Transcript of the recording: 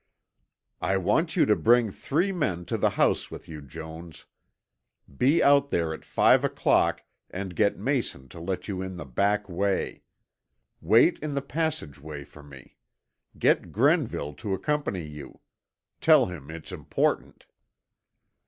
"I want you to bring three men to the house with you, Jones. Be out there at five o'clock and get Mason to let you in the back way. Wait in the passageway for me. Get Grenville to accompany you. Tell him it's important."